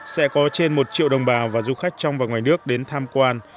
sẽ có trên một triệu đồng bào và du khách trong và ngoài nước đến tham quan